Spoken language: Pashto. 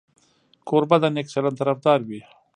کوربه د نیک چلند طرفدار وي.